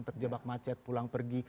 terjebak macet pulang pergi